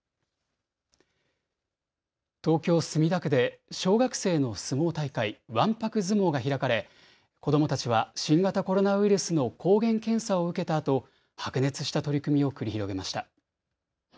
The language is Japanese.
東京墨田区で小学生の相撲大会、わんぱく相撲が開かれ子どもたちは新型コロナウイルスの抗原検査を受けたあと、白熱した取組を繰り広げました。